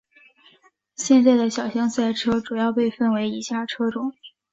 现在的小型赛车主要被分为以下车种。